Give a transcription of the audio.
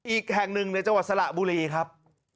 อีกแห่งหนึ่งในจังหวัดสระบุรีครับ